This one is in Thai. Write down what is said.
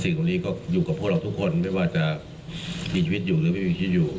ตรงนี้ก็อยู่กับพวกเราทุกคนไม่ว่าจะมีชีวิตอยู่หรือไม่มีชีวิตอยู่